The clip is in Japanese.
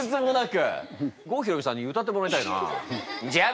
郷ひろみさんに歌ってもらいたいな。